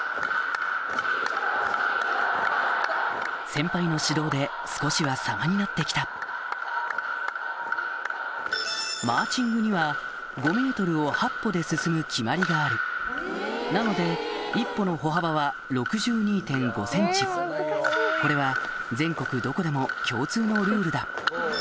先輩の指導で少しは様になって来たマーチングには５ｍを８歩で進む決まりがあるなので１歩の歩幅は６２．５ｃｍこれは全国どこでも共通のルールだ